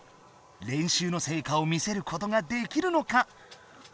練習の成果を見せることができるのか？